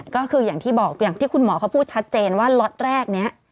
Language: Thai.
ก็คืออย่างที่บอกอย่างที่คุณหมอเขาพูดชัดเจนว่าล็อตแรกนี้